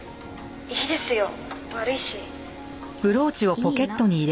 「いいですよ悪いし」いいの。